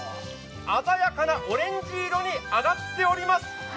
鮮やかなオレンジ色に揚がっております。